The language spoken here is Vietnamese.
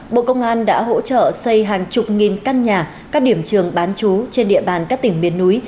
bộ công an đã hỗ trợ xây hàng chục nghìn căn nhà các điểm trường bán chú trên địa bàn các tỉnh miền núi